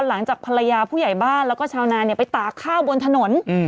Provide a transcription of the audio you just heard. หลังจากภรรยาผู้ใหญ่บ้านแล้วก็ชาวนาไปตากข้าวบนถนน